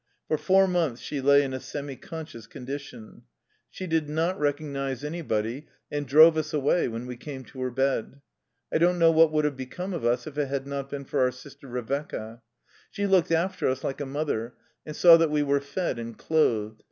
For four months she lay in a semi conscious condition. She did not 11 THE LIFE STORY OF A RUSSIAN EXILE recognize anybody, and drove us away when we came to her bed. I don't know what would have become of us if it had not been for our sister Revecca. She looked after us like a mother, and saw that we were fed and clothed.